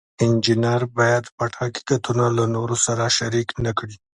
انجینر باید پټ حقیقتونه له نورو سره شریک نکړي.